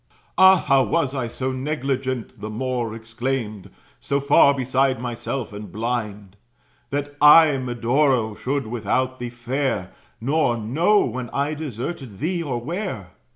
"Ah! how was I so negligent," (the Moor Exclaimed) "so far beside myself, and blind, That, I, Medoro, should without thee fare, Nor know when I deserted thee or where?"